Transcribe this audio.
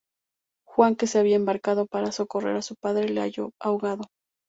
Juan, que se había embarcado para socorrer a su padre, le halló ahogado.